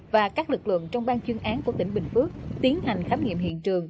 và các lực lượng trong ban chuyên án của tỉnh bình phước tiến hành khám nghiệm hiện trường